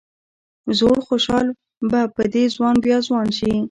زوړ خوشال به په دې ځوان بیا ځوان شي.